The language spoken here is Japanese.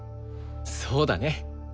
そうだね。